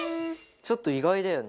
ちょっと意外だよね。